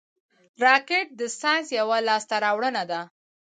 راکټ د ساینس یوه لاسته راوړنه ده